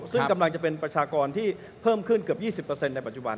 ซึ่งกำลังจะเป็นประชากรที่เพิ่มขึ้นเกือบ๒๐ในปัจจุบัน